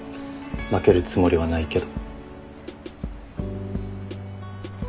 負けるつもりはないけど。